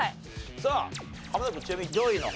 さあ濱田君ちなみに上位の方？